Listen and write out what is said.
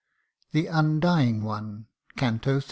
THE UNDYING ONE/ CANTO III.